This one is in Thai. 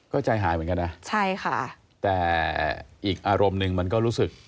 ก็ใจหายเหมือนกันนะใช่ค่ะแต่อีกอารมณ์หนึ่งมันก็รู้สึก